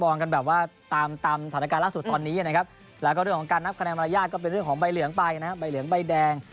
เรื่องของการนับคะแนนมนะละยาดก็เป็นเรื่องของใบเหลืองไปใบเหลืองใบแดง